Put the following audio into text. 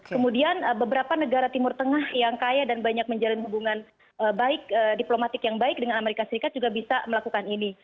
kemudian beberapa negara timur tengah yang kaya dan banyak menjalin hubungan baik diplomatik yang baik dengan amerika serikat juga bisa melakukan ini